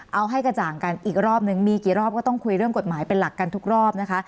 เอาให้กระจ่างกันอีกรอบนึงมีกี่รอบก็ต้องคุยเรื่องกฎหมายเป็นหลักกันทุกรอบนะคะ